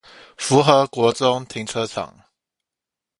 福和國中停車場